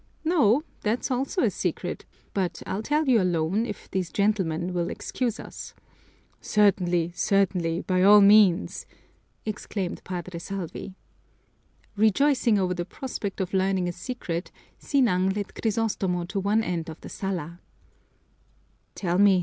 "No, that's also a secret, but I'll tell you alone, if these gentlemen will excuse us." "Certainly, certainly, by all means!" exclaimed Padre Salvi. Rejoicing over the prospect of learning a secret, Sinang led Crisostomo to one end of the sala.